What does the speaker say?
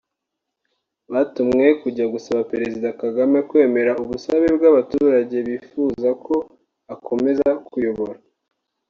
batumwe kujya gusaba Perezida Kagame kwemera ubusabe bw’abaturage bifuza ko akomeza kubayobora